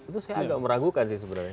itu saya agak meragukan sih sebenarnya